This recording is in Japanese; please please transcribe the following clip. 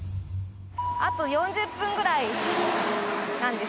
あと４０分くらいなんですよね。